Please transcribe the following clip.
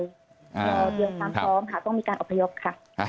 เตรียมความพร้อมค่ะต้องมีการอพยพค่ะ